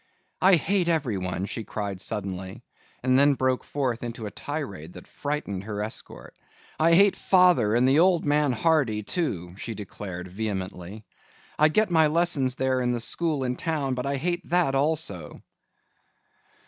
"I hate everyone," she cried suddenly, and then broke forth into a tirade that frightened her escort. "I hate father and the old man Hardy, too," she declared vehemently. "I get my lessons there in the school in town but I hate that also."